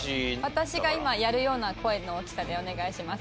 私が今やるような声の大きさでお願いします。